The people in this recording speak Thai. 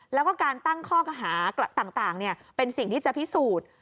แล้วก็การตั้งข้อกหาต่างเป็นสิ่งที่จะพิสูจน์